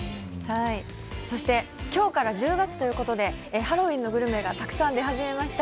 今日から１０月ということで、ハロウィーンのグルメがたくさん出始めました。